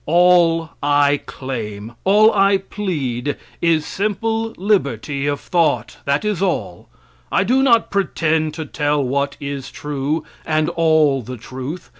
All I claim, all I plead is simple liberty of thought. That is all. I do not pretend to tell what is true and all the truth.